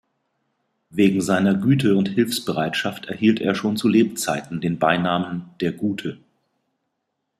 Wegen seiner Güte und Hilfsbereitschaft erhielt er schon zu Lebzeiten den Beinamen "der Gute".